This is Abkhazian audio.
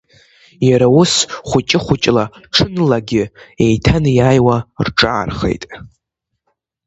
Иара ус хәыҷы-хәыҷла ҽынлагьы еиҭанеиааиуа рҿаархеит.